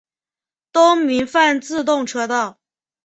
东名阪自动车道。